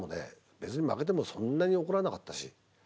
別に負けてもそんなに怒らなかったし。